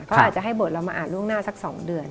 เขาอาจจะให้บทเรามาอ่านล่วงหน้าสัก๒เดือน